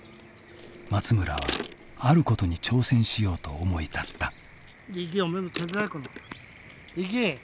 松村はあることに挑戦しようと思い立った。